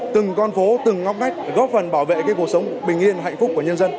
từng con phố từng ngóc ngách góp phần bảo vệ cuộc sống bình yên hạnh phúc của nhân dân